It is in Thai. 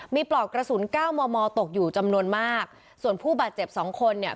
มีปลอกกระสุนเก้ามอมอตกอยู่จำนวนมากส่วนผู้บาดเจ็บสองคนเนี่ย